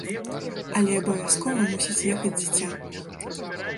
Але абавязкова мусіць ехаць дзіця.